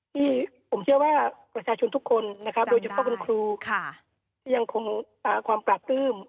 ผมเชื่อว่าประชาชนทุกคนโดยเฉพาะคุณครูยังคงความปลากตื้ม